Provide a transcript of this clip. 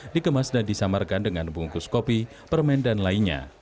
dikemas dan disamarkan dengan bungkus kopi permen dan lainnya